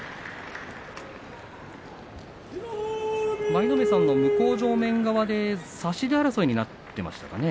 舞の海さんの向正面側で差し手争いになっていましたかね。